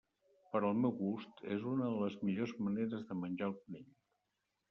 Per al meu gust, és una de les millors maneres de menjar el conill.